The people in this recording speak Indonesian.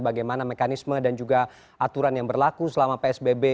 bagaimana mekanisme dan juga aturan yang berlaku selama psbb